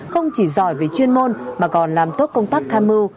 không chỉ giỏi về chuyên môn mà còn làm tốt công tác tham mưu